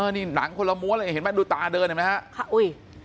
นี่หนังคนละม้วนเลยเห็นมั้ยดูตาเดินเห็นมั้ยฮะอุ้ย